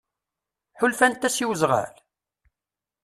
Ḥulfant-as i wezɣal?